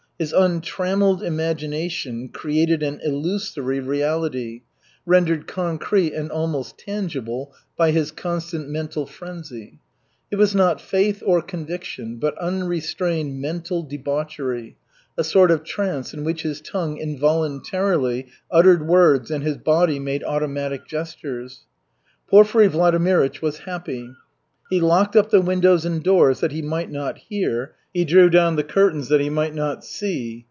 His untrammeled imagination created an illusory reality, rendered concrete and almost tangible by his constant mental frenzy. It was not faith or conviction, but unrestrained mental debauchery, a sort of trance in which his tongue involuntarily uttered words and his body made automatic gestures. Porfiry Vladimirych was happy. He locked up the windows and doors that he might not hear, he drew down the curtains that he might not see.